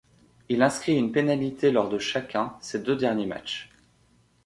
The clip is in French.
Il inscrit une pénalité lors de chacun ces deux derniers matchs.